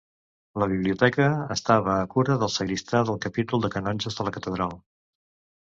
La biblioteca estava a cura del sagristà del capítol de canonges de la catedral.